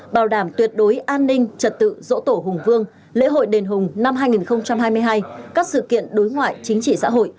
bảo đảm tuyệt đối an ninh trật tự dỗ tổ hùng vương lễ hội đền hùng năm hai nghìn hai mươi hai các sự kiện đối ngoại chính trị xã hội